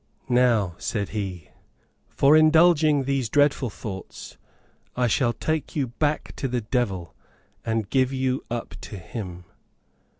"Now," said he, "for indulging these dreadful thoughts, I shall take you back to the devil, and give you up to him."